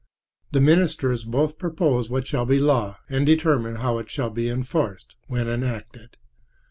The ministers both propose what shall be law and determine how it shall be enforced when enacted.